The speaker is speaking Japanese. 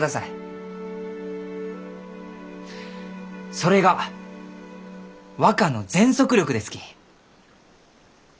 それが若の全速力ですき。